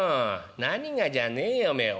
何がじゃねえよおめえ。